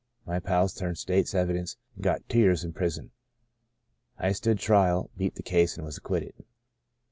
My pals turned state's evidence, and got two years in prison. I stood trial, * beat ' the case and was acquitted.